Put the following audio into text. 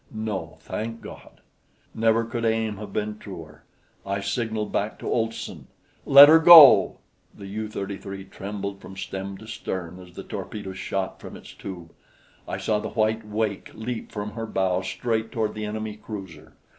No, thank God! Never could aim have been truer. I signaled back to Olson: "Let 'er go!" The U 33 trembled from stem to stern as the torpedo shot from its tube. I saw the white wake leap from her bow straight toward the enemy cruiser.